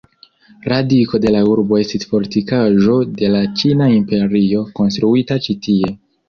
Radiko de la urbo estis fortikaĵo de la Ĉina Imperio, konstruita ĉi-tie.